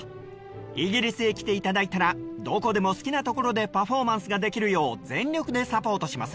イギリスへ来ていただいたらどこでも好きな所でパフォーマンスができるよう全力でサポートします。